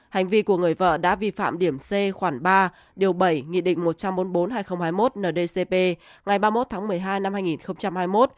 hành vi của người vợ đã vi phạm điểm c khoảng ba điều bảy nghị định một trăm bốn mươi bốn hai nghìn hai mươi một ndcp ngày ba mươi một tháng một mươi hai năm hai nghìn hai mươi một